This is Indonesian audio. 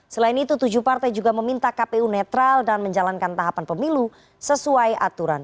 selain itu tujuh partai juga meminta kpu netral dan menjalankan tahapan pemilu sesuai aturan